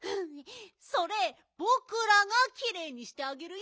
それぼくらがきれいにしてあげるよ！